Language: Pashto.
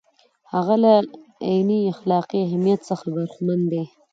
هغه له عیني اخلاقي اهمیت څخه برخمن دی.